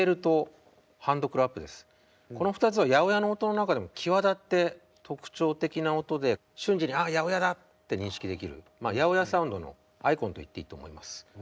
この２つは８０８の音の中でも際立って特徴的な音で瞬時に８０８だって認識できる８０８サウンドのアイコンと言っていいと思います。